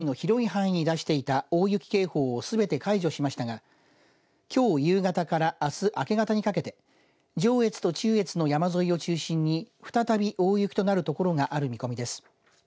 県内の雪はいったん弱まり気象台はけさ早く県内の広い範囲に出していた大雪警報をすべて解除しましたが、きょう夕方からあす明け方にかけて上越と中越の山沿いを中心に再び大雪となる所がある見込みです。